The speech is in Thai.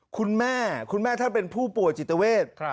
คุณแม่คุณแม่ท่านเป็นผู้ป่วยจิตเวท